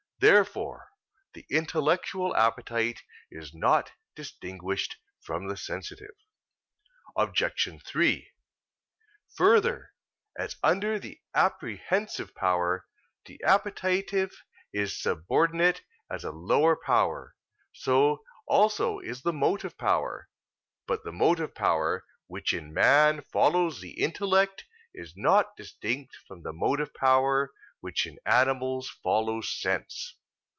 Therefore the intellectual appetite is not distinguished from the sensitive. Obj. 3: Further, as under the apprehensive power, the appetitive is subordinate as a lower power, so also is the motive power. But the motive power which in man follows the intellect is not distinct from the motive power which in animals follows sense.